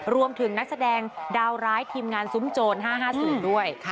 รวมถึงนักแสดงดาวร้ายทีมงานซุ้มโจร๕๕๐ด้วย